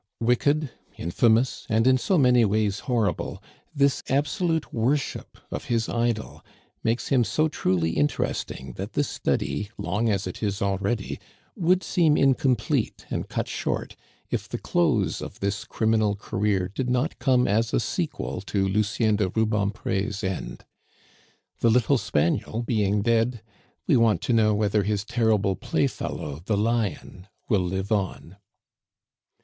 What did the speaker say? Wicked, infamous, and in so many ways horrible, this absolute worship of his idol makes him so truly interesting that this Study, long as it is already, would seem incomplete and cut short if the close of this criminal career did not come as a sequel to Lucien de Rubempre's end. The little spaniel being dead, we want to know whether his terrible playfellow the lion will live on.